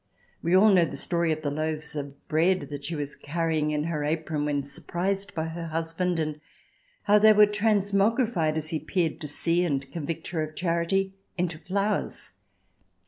We all know the story of the loaves of bread that she was carrying in her apron when surprised by her husband, and how they were transmogrified, as he peered to see and convict her of charity, into flowers.